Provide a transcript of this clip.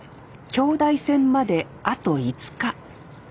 京大戦まであと５日。